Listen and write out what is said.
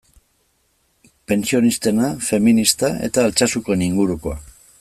Pentsionistena, feminista eta Altsasukoen ingurukoa.